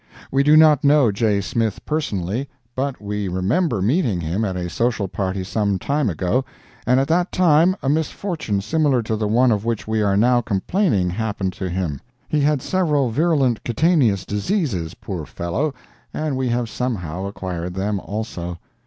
We do not know J. Smith personally, but we remember meeting him at a social party some time ago, and at that time a misfortune similar to the one of which we are now complaining happened to him. He had several virulent cutaneous diseases, poor fellow, and we have somehow acquired them, also.